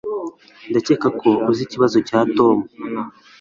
Ndakeka ko uzi ikibazo cya Tom.